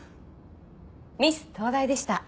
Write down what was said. ミス東大でした。